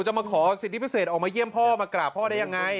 มาขอสิทธิพิเศษออกมาเยี่ยมพ่อมากราบพ่อได้ยังไง